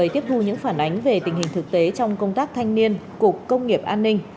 tiếp thu những phản ánh về tình hình thực tế trong công tác thanh niên cục công nghiệp an ninh